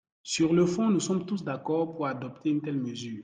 Sur le fond, nous sommes tous d’accord pour adopter une telle mesure.